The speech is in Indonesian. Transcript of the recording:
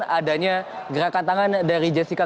adanya gerakan tangan dari jessica